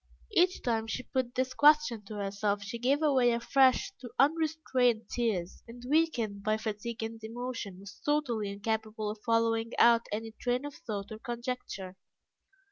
Each time she put this question to herself she gave way afresh to unrestrained tears, and, weakened by fatigue and emotion, was totally incapable of following out any train of thought or conjecture.